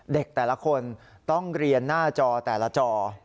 เด็กแต่ละคนต้องเรียนหน้าจอแต่ละจอ